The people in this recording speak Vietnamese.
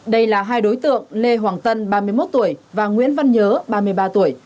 đây là hai đối tượng lê hoàng tân ba mươi một tuổi và nguyễn văn nhớ ba mươi ba tuổi